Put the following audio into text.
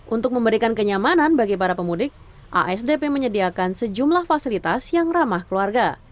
untuk memberikan kenyamanan bagi para pemudik asdp menyediakan sejumlah fasilitas yang ramah keluarga